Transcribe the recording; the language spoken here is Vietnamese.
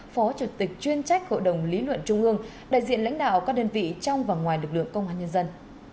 phó chủ tịch chuyên trách hội đồng lý luận trung ương đại diện lãnh đạo các đơn vị trong và ngoài lực lượng công an nhân dân